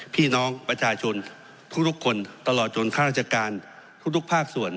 พี่น้องประชาชนทุกคนตลอดจนข้าราชการทุกภาคส่วน